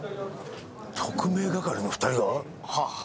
特命係の２人が？はあ